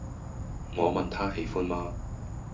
我問他喜歡嗎